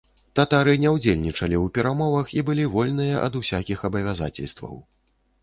Татары не ўдзельнічалі ў перамовах і былі вольныя ад усякіх абавязацельстваў.